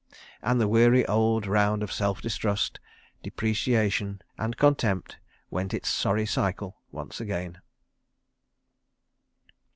... And the weary old round of self distrust, depreciation and contempt went its sorry cycle once again.